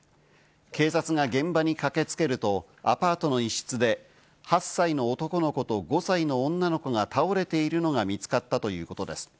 警察が現場に駆けつけると、アパートの一室で８歳の男の子と５歳の女の子が倒れているのが見つかったということです。